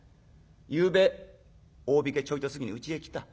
ゆうべ大引けちょいと過ぎにうちへ来た。